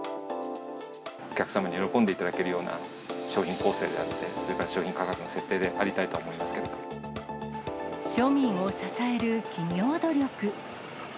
お客様に喜んでいただけるような商品構成であったり、それから商品価格の設定でありたいと思庶民を支える企業努力。